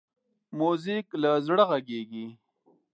موزیک له زړه غږېږي.